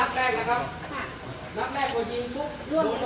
ถือเหล็กก็อย่างงี้ล่ะ